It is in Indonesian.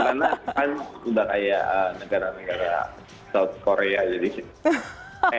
karena kan udah kayak negara negara south korea aja di sini